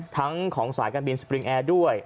ทั้งของสายการบินสปริงแอร์ด้วย